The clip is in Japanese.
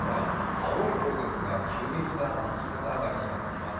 青い方ですが、急激な右肩上がりになっています。